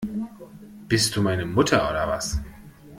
Bist du meine Mutter oder was?